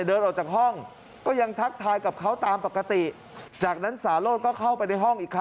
เดินออกจากห้องก็ยังทักทายกับเขาตามปกติจากนั้นสาโรธก็เข้าไปในห้องอีกครั้ง